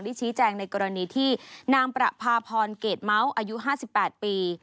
ชี้แจงในกรณีที่นางประพาพรเกรดเม้าอายุ๕๘ปี